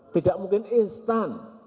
tidak mungkin instan